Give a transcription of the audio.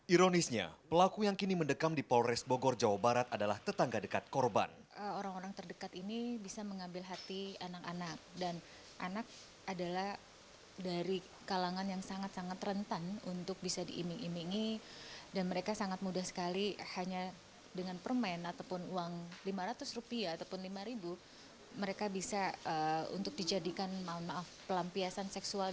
ironisnya pelaku yang kini mendekam di polres bogor jawa barat adalah tetangga dekat korban